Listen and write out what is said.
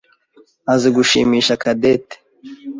azi gushimisha Cadette.